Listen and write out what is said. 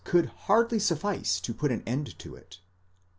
could hardly suffice to put an end to it.